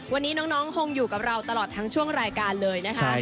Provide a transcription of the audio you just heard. วันนี้น้องคงอยู่กับเราตลอดทั้งช่วงรายการเลยนะคะ